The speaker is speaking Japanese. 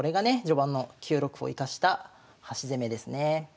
序盤の９六歩を生かした端攻めですね。